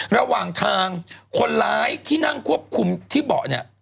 ระหว่างทางคนร้ายที่นั่งควบคุมที่เบาะเนี่ย